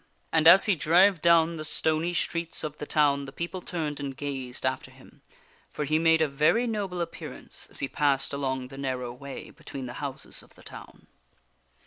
And as he drave down the stony streets of the town, the people turned and gazed after him, for he made a very noble appearance as he passed along the narrow way between the houses of the town.